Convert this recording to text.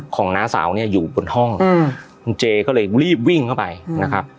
น้าสาวเนี่ยอยู่บนห้องคุณเจก็เลยรีบวิ่งเข้าไปนะครับ